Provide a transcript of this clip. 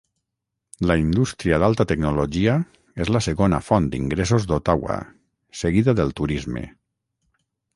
La indústria d'alta tecnologia és la segona font d'ingressos d'Ottawa, seguida del turisme.